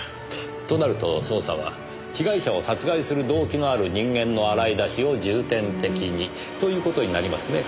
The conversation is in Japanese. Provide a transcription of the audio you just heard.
となると捜査は被害者を殺害する動機のある人間の洗い出しを重点的にという事になりますね。